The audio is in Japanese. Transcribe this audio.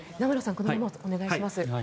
このままお願いします。